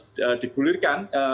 jadi ini sudah digulirkan